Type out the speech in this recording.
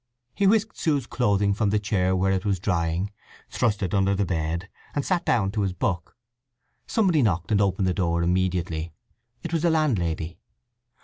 He whisked Sue's clothing from the chair where it was drying, thrust it under the bed, and sat down to his book. Somebody knocked and opened the door immediately. It was the landlady.